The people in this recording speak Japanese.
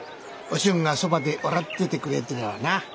お俊がそばで笑っててくれてればな。